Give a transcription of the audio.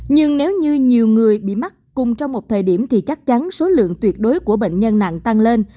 nhưng nếu như nhiều người bị mắc cùng trong một thời điểm thì chắc chắn số lượng tuyệt đối của bệnh nhân nặng tăng lên